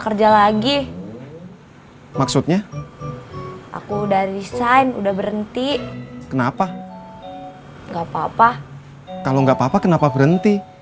kerja lagi maksudnya aku udah resign udah berhenti kenapa nggak papa kalau nggak papa kenapa berhenti